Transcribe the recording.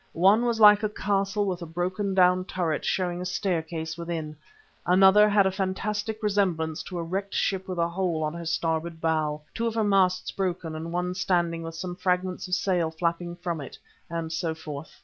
One was like a castle with a broken down turret showing a staircase within; another had a fantastic resemblance to a wrecked ship with a hole in her starboard bow, two of her masts broken and one standing with some fragments of sails flapping from it, and so forth.